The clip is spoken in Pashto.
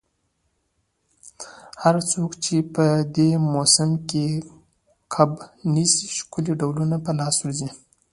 هر څوک چي په دې موسم کي کب نیسي، ښکلي ډولونه په لاس ورځي.